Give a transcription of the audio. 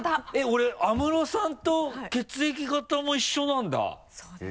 俺安室さんと血液型も一緒なんだそうです。